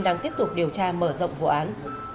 đang tiếp tục điều tra mở rộng vụ án